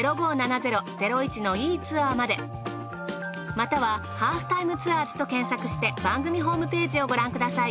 または『ハーフタイムツアーズ』と検索して番組ホームページをご覧ください。